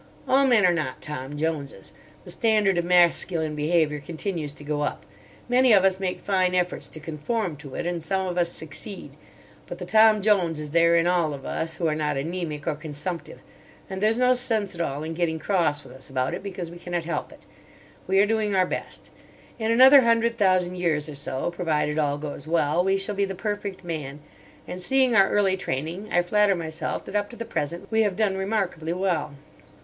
All men are not Tom Joneses. The standard of masculine behaviour continues to go up: many of us make fine efforts to conform to it, and some of us succeed. But the Tom Jones is there in all of us who are not anæmic or consumptive. And there's no sense at all in getting cross with us about it, because we cannot help it. We are doing our best. In another hundred thousand years or so, provided all goes well, we shall be the perfect man. And seeing our early training, I flatter myself that, up to the present, we have done remarkably well."